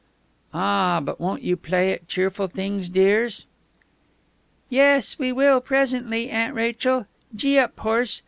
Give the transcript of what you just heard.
"Ah!... But won't you play at cheerful things, dears?" "Yes, we will, presently, Aunt Rachel; gee up, horse!...